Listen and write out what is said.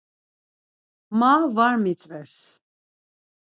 Ma var mitzves.